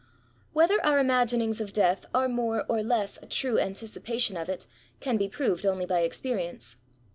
Whether our imaginings of Death are more or less a true anticipation of it, can be proved only by experience.